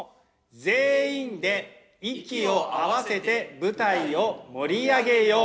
全員で息を合わせて舞台を盛り上げよう！